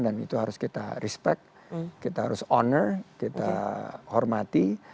dan itu harus kita respect kita harus honor kita hormati